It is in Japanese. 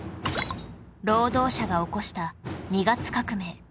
労働者が起こした二月革命